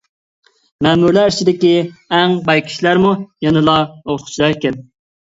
مەمۇرلار ئىچىدىكى ئەڭ باي كىشىلەرمۇ يەنىلا ئوقۇتقۇچىلار ئىكەن.